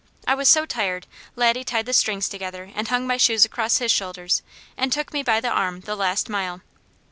I was so tired Laddie tied the strings together and hung my shoes across his shoulders and took me by the arm the last mile.